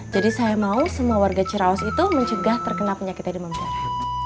jadi saya mau semua warga ciraus itu mencegah terkena penyakit timah berdarah